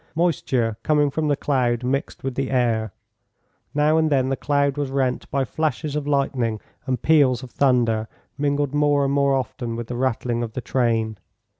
Moisture, coming from the cloud, mixed with the air. Now and then the cloud was rent by flashes of lightning, and peals of thunder mingled more and more often with the rattling of the train.